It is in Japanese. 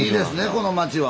この町は。